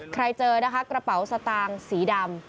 ใครเจอกระเป๋าสตางสีดำ